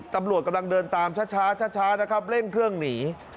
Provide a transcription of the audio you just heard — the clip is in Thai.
ตำรวจกำลังเดินตามช้านะครับเร่งเครื่องหนี